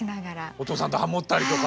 お父さんとハモったりとか。